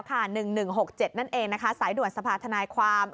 ใช่แล้วค่ะ๑๑๖๗นั่นเองสายด่วนสภาคธนายความ